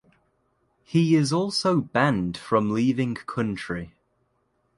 He is also banned from leaving country.